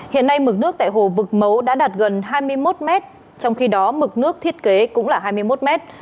hiện nay mực nước tại hồ vực mấu đã đạt gần hai mươi một mét trong khi đó mực nước thiết kế cũng là hai mươi một mét